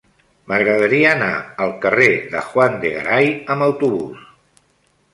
M'agradaria anar al carrer de Juan de Garay amb autobús.